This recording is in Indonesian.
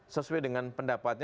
sesuai dengan pendapatnya